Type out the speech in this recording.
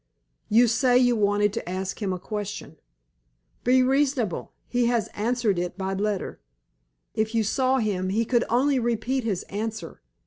You say you wanted to ask him a question. Be reasonable; he has answered it by letter. If you saw him, he could only repeat his answer.